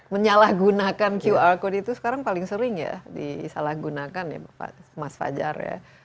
menyalahgunakan qr code itu sekarang paling sering ya disalahgunakan ya mas fajar ya